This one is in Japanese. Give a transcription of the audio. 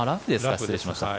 失礼しました。